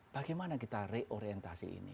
bagaimana kita reorientasi ini